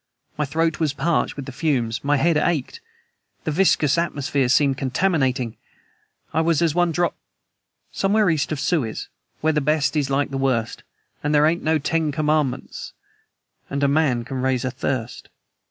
My throat was parched with the fumes, my head ached. The vicious atmosphere seemed contaminating. I was as one dropped Somewhere East of Suez, where the best is like the worst, And there ain't no Ten Commandments and a man can raise a thirst.